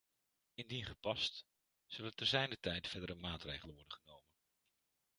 Indien gepast, zullen te zijner tijd verdere maatregelen worden genomen.